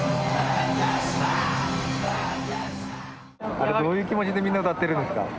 あれはどういう気持ちでみんな歌ってるんですか？